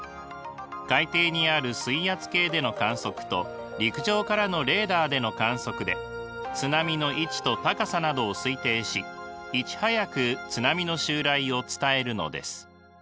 海底にある水圧計での観測と陸上からのレーダーでの観測で津波の位置と高さなどを推定しいち早く津波の襲来を伝えるのです。